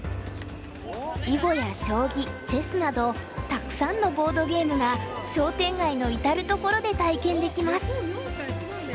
囲碁や将棋チェスなどたくさんのボードゲームが商店街の至る所で体験できます。